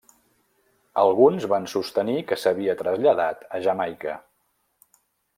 Alguns van sostenir que s'havia traslladat a Jamaica.